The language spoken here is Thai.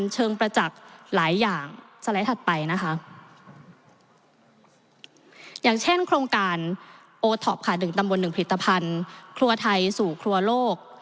จนถึงผลิตภัณฑ์ครัวไทยสู่ครัวโลก